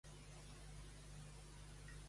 La seva figura va popularitzar-se amb el mitraisme.